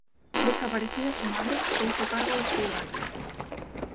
Desaparecida su madre, se hizo cargo de su hogar.